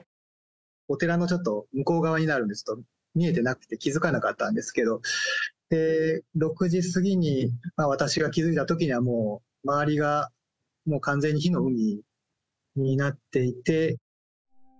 お寺のちょっと向こう側になるんですけど、見えてなくて、気付かなかったんですけれども、６時過ぎに私が気付いたときには、もう周りがもう完全に火の海になっていて。